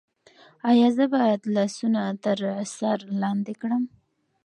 ایا زه باید لاسونه تر سر لاندې کړم؟